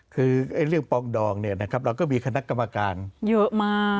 คือเรื่องปองดองเนี่ยนะครับเราก็มีคณะกรรมการเยอะมาก